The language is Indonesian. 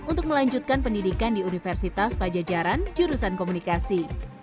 untuk melanjutkan pendidikan di universitas pajajaran jurusan komunikasi